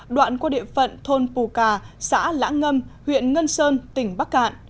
đoạn qua địa phận thôn pù cà xã lãng ngâm huyện ngân sơn tỉnh bắc cạn